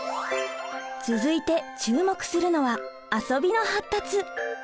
続いて注目するのは遊びの発達！